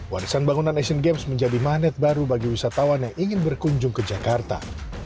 warisan bangunan asian games menjadi magnet baru bagi wisatawan yang ingin berkunjung ke jakarta